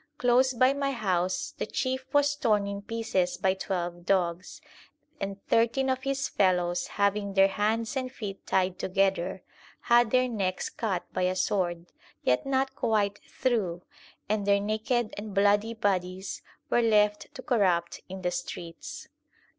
Close by my house the chief was torn in pieces by twelve dogs ; and thirteen of his fellows, having their hands and feet tied together, had their necks cut by a sword, yet not quite through, and their naked and bloody bodies were left to corrupt in the streets.